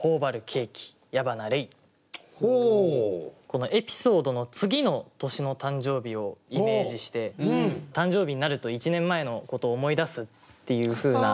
このエピソードの次の年の誕生日をイメージして誕生日になると１年前のことを思い出すっていうふうな。